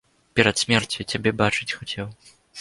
Перад смерцю цябе бачыць хацеў.